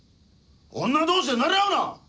女同士でなれ合うな！